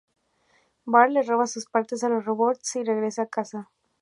Bart le roba sus partes a los robots y regresa a casa.